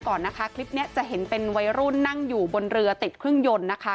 ก่อนนะคะคลิปนี้จะเห็นเป็นวัยรุ่นนั่งอยู่บนเรือติดเครื่องยนต์นะคะ